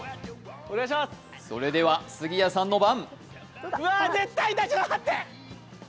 それでは杉谷さんの番。